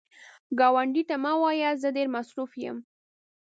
ګاونډي ته مه وایه “زه ډېر مصروف یم”